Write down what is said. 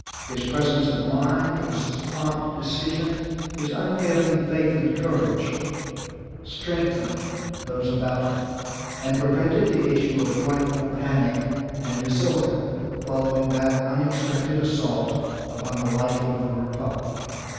His presence of mind, his prompt decision, his unfailing faith and courage strengthened, those about him, and prevented the issue of a frightful panic and disorder following that unexpected assault upon the life of the republic.